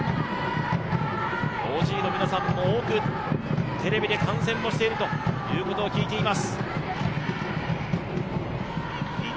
ＯＧの皆さんも多くテレビで観戦しているということも聞いています。